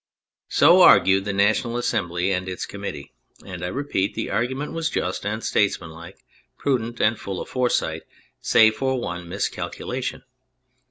So argued the National Assembly and its committee, and, I repeat, the argument was just and statesmanlike, prudent and full of foresight, save for one miscalculation.